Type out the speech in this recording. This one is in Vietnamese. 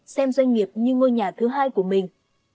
xem doanh nghiệp như ngôi nhà thứ hai của mình